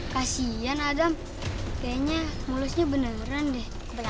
kasihan adam kayaknya mulusnya bener bener deh makan kali